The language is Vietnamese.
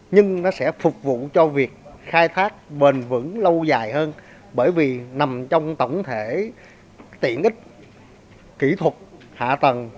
nhưng nó sẽ phục vụ cho việc khai thác bền vững lâu dài hơn bởi vì nằm trong tổng thể tiện ích kỹ thuật hạ tầng